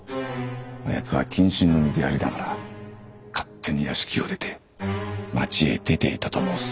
あやつは謹慎の身でありながら勝手に屋敷を出て町へ出ていたと申す。